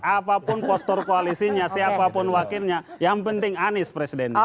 apapun postur koalisinya siapapun wakilnya yang penting anies presidennya